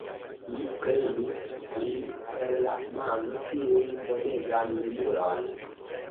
Mi prenis lin per la mano, tiun bonegan junulon.